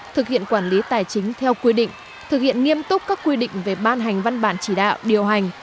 thực hiện quản lý tài chính theo quy định thực hiện nghiêm túc các quy định về ban hành văn bản chỉ đạo điều hành